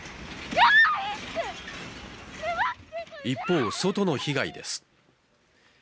一方、外の被害です。